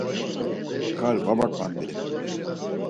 Çkar va vaǩvandi.